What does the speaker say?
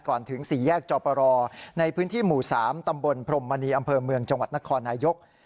ถึง๔แยกจอปรในพื้นที่หมู่๓ตำบลพรมมณีอำเภอเมืองจังหวัดนครนายก